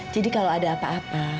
jadi kalau ada apa apa